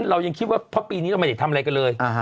เรายังคิดว่าเพราะปีนี้เราไม่ได้ทำอะไรกันเลย